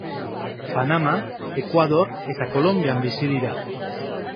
Panama, Ekuador eta Kolonbian bizi dira.